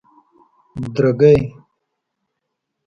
درگۍ